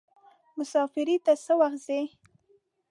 مسافری ته څه وخت ځئ.